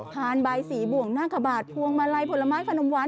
พานบายสีบ่วงหน้ากระบาดพวงมาลัยผลไม้ขนมวัน